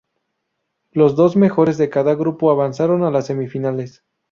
Los dos mejores de cada grupo avanzaron a las semifinales.